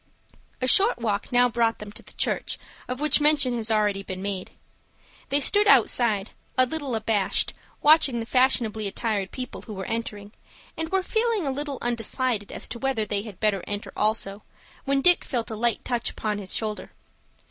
A short walk now brought them to the church of which mention has already been made. They stood outside, a little abashed, watching the fashionably attired people who were entering, and were feeling a little undecided as to whether they had better enter also, when Dick felt a light touch upon his shoulder.